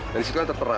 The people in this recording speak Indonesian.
dan disitu kan tertera